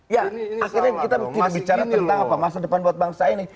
ya akhirnya kita tidak bicara tentang apa masa depan buat bangsa ini